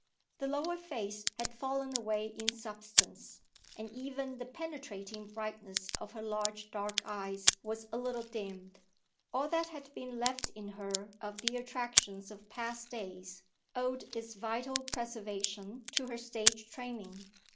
The lower face had fallen away in substance; and even the penetrating brightness of her large dark eyes was a little dimmed. All that had been left in her of the attractions of past days, owed its vital preservation to her stage training.